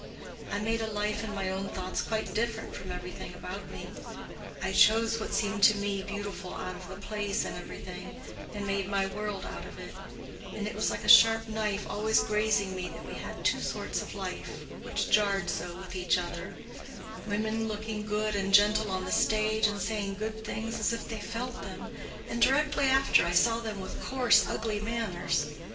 I made a life in my own thoughts quite different from everything about me: I chose what seemed to me beautiful out of the plays and everything, and made my world out of it; and it was like a sharp knife always grazing me that we had two sorts of life which jarred so with each other—women looking good and gentle on the stage, and saying good things as if they felt them, and directly after I saw them with coarse, ugly manners.